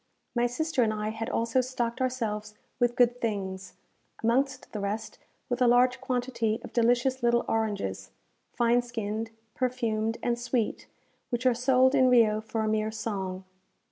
My sister and I had also stocked ourselves with good things; amongst the rest, with a large quantity of delicious little oranges, fine skinned, perfumed, and sweet, which are sold in Rio for a mere song.